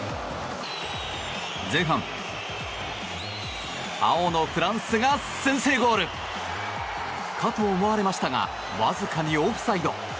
前半、青のフランスが先制ゴールかと思われましたがわずかにオフサイド。